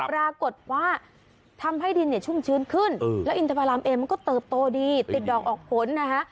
ปรากฏว่าทำให้ดินเนี่ยชุ่มชื้นขึ้นแล้วอินทภารามเอมมันก็เติบโตดีติดดอกออกผลนะคะ